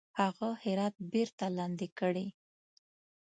هغه هرات بیرته لاندي کړي.